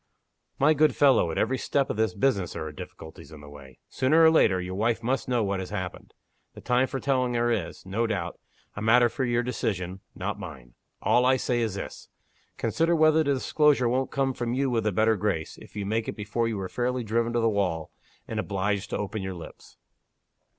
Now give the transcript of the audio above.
"My good fellow! at every step of this business there are difficulties in the way. Sooner or later, your wife must know what has happened. The time for telling her is, no doubt, a matter for your decision, not mine. All I say is this. Consider whether the disclosure won't come from you with a better grace, if you make it before you are fairly driven to the wall, and obliged to open your lips."